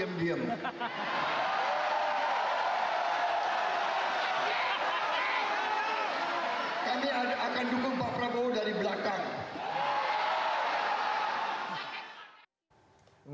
kami akan dukung pak prabowo dari belakang